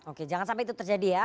oke jangan sampai itu terjadi ya